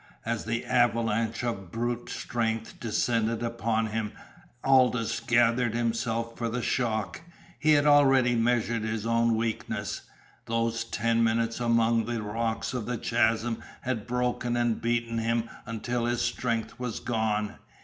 As the avalanche of brute strength descended upon him Aldous gathered himself for the shock. He had already measured his own weakness. Those ten minutes among the rocks of the chasm had broken and beaten him until his strength was gone.